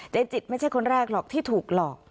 จิตไม่ใช่คนแรกหรอกที่ถูกหลอก